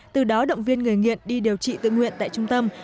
từ đó động viên người nghiện đi điều trị tự nguyện tại trung tâm